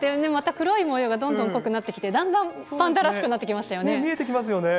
黒いもようがどんどん濃くなってきて、だんだんパンダらしくなっ見えてきますよね。